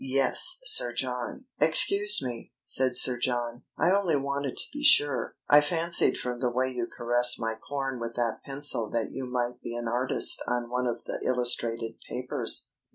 "Yes, Sir John." "Excuse me!" said Sir John. "I only wanted to be sure. I fancied from the way you caressed my corn with that pencil that you might be an artist on one of the illustrated papers.